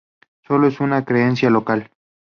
Solo es una creencia local.